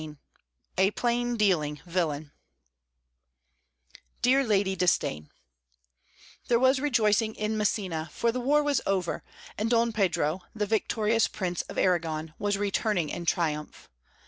Much Ado about Nothing "Dear Lady Disdain" There was rejoicing in Messina, for the war was over, and Don Pedro, the victorious Prince of Arragon, was returning in triumph.